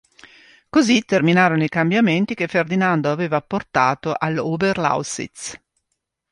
Così terminarono i cambiamenti che Ferdinando aveva apportato all'Oberlausitz.